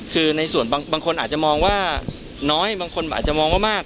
คือในส่วนบางคนอาจจะมองว่าน้อยบางคนอาจจะมองว่ามาก